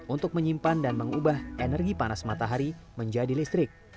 untuk menyimpan dan mengubah energi panas matahari menjadi listrik